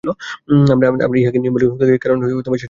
আমরা ইহাকে নিয়ম বলি, কারণ সেটুকু বেশ চলে।